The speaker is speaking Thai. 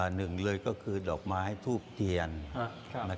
หนึ่งเลยก็คือดอกไม้ทูบเทียน